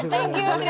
boleh boleh boleh